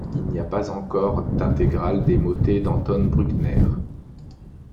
Il n'y a pas encore d'intégrale des motets d'Anton Bruckner.